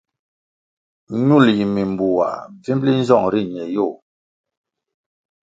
Ñul yi mimbuwah bvimli nzong ri ñe yôh.